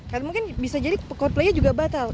karena mungkin bisa jadi coldplay nya juga batal